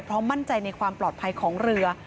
มั่นใจในความปลอดภัยของเรือ